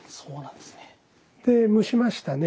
で蒸しましたね